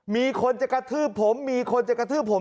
มีคนจะกระทืบผมมีคนจะกระทืบผม